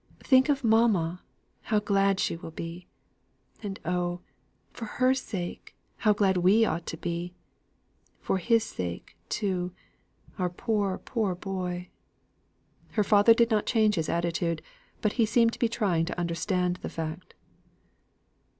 Think of mamma, how glad she will be! And oh, for her sake, how glad we ought to be! For his sake, too, our poor, poor boy!" Her father did not change his attitude, but he seemed to be trying to understand the fact.